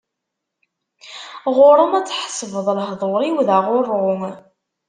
Ɣur-m ad tḥesbeḍ lehdur-iw d aɣurru.